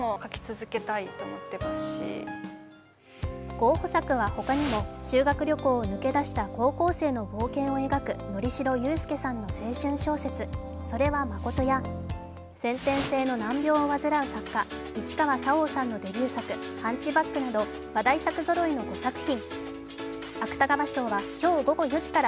候補作はほかにも、修学旅行を抜け出した高校生の冒険を描く乗代雄介さんの青春小説「それは誠」や先天性の難病を患う作家市川沙央さんのデビュー作、「ハンチバック」など話題作ぞろいの５作品。